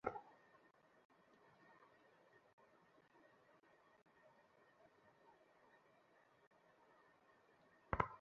যোগেন্দ্র চলিয়া গেলে অন্নদাবাবু জিজ্ঞাসা করিলেন, নলিনবাবু, আপনি এখন কোথায় আছেন?